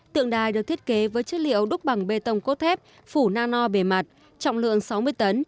tượng đài được thiết kế với chất liệu đúc bằng bê tông cốt thép phủ nano bề mặt trọng lượng sáu mươi tấn